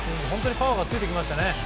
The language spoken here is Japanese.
パワーがついてきましたね。